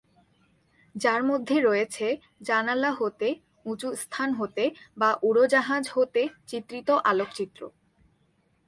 যার মধ্যে রয়েছে জানালা হতে, উচু স্থান হতে বা উড়োজাহাজ হতে হতে চিত্রিত আলোকচিত্র।